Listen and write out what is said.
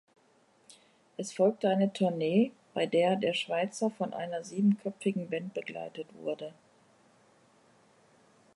Es folgte eine Tournee, bei der der Schweizer von einer siebenköpfigen Band begleitet wurde.